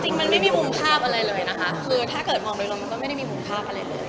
จริงมันไม่มีมุมภาพอะไรเลยนะคะคือถ้าเกิดมองโดยรวมมันก็ไม่ได้มีมุมภาพอะไรเลย